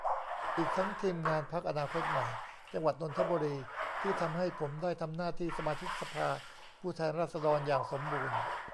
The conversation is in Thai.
อีกทั้งทีมงานพรรคอนาคตใหม่จังหวัดนนทบุรี ที่ทำให้ผมได้ทำหน้าที่สมาชิกสภาผู้แทนราษฎรอย่างสมบูรณ์